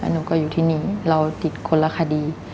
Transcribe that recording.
หนูก็อยู่ที่นี่เราติดคนละคดี